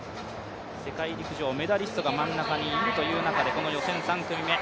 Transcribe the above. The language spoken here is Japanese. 世界陸上メダリストが真ん中にいるという中で、予選３組目。